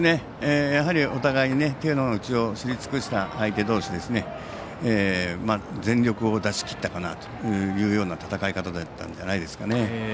やはりお互いに手の内を知り尽くした相手どうし全力を出しきったかなというような戦い方じゃないですかね。